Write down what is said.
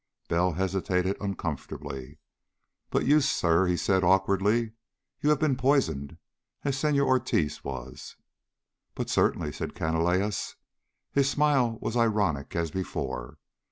Bell hesitated uncomfortably. "But you, sir," he said awkwardly. "You have been poisoned, as Senor Ortiz was." "But certainly," said Canalejas. His smile was ironic as before.